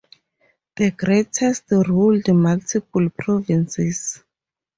The greatest ruled multiple provinces.